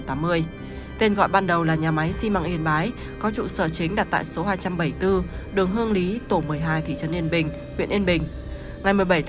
tên gọi ban đầu là nhà máy xi măng yên bái có trụ sở chính đặt tại số hai trăm bảy mươi bốn đường hương lý tổ một mươi hai thị trấn yên bình huyện yên bình